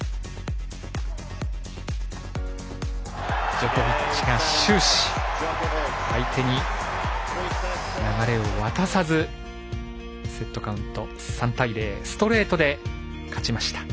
ジョコビッチが終始、相手に流れを渡さずセットカウント３対０ストレートで勝ちました。